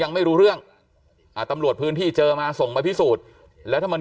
ยังไม่รู้เรื่องตำรวจพื้นที่เจอมาส่งไปพิสูจน์แล้วถ้ามัน